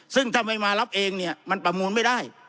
ซึ่งทำไมมารับเองมันประมวลไม่ได้